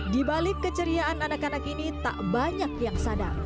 dibalik keceriaan anak anak ini tak banyak yang sadar